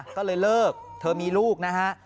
ก็เลยเลิกเธอมีลูกนะฮะ